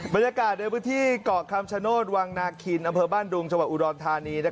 บรรยากาศในพื้นที่เกาะคำชโนธวังนาคินอำเภอบ้านดุงจังหวัดอุดรธานี